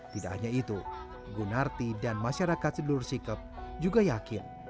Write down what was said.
tidak hanya itu gunarti dan masyarakat sedulur sikep juga yakin